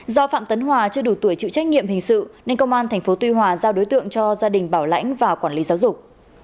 do phạm tấn hòa chưa đủ tuổi chịu trách nhiệm hình sự nên công an tp tuy hòa giao đối tượng cho gia đình bảo lãnh và quản lý giáo dục